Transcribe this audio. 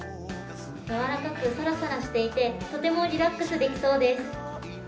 やわらかくサラサラしていて、とてもリラックスできそうです。